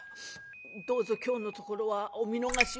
「どうぞ今日のところはお見逃しを」。